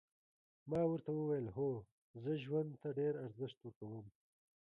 ما ورته وویل هو زه ژوند ته ډېر ارزښت ورکوم.